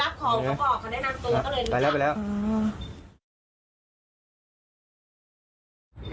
เราไปไปรับของเขาบอกหน้านำตัวเฉยี